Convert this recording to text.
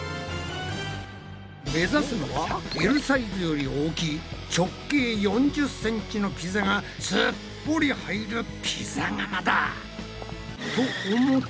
目指すのはＬサイズより大きい直径４０ｃｍのピザがすっぽり入るピザ窯だ！